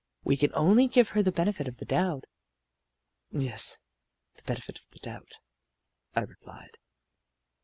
We can only give her the benefit of the doubt." "Yes, the benefit of the doubt," I replied.